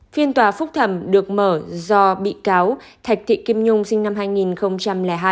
phiên tòa phúc thẩm được mở do bị cáo thạch thị kim nhung sinh năm hai nghìn hai